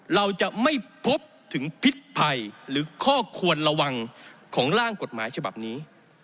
เราจะไม่พบถึงพิษภัยหรือข้อควรระวังของร่างกฎหมายฉบับนี้